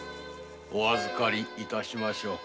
お預かり致しましょう。